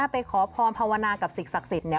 ไปขอพรพวัณฑ์กับศิษย์ศักดิ์เจ้าสิทธิ์